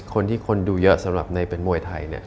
คนที่คนดูเยอะสำหรับในเป็นมวยไทยเนี่ย